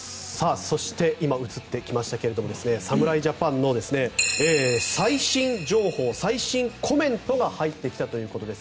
そして、今映ってきましたが侍ジャパンの最新情報最新コメントが入ってきたということです。